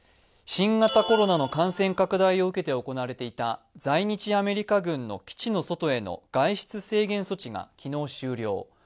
新型コロナの感染拡大を受けて行われていた在日アメリカ軍の基地の外への外出制限措置が昨日終了。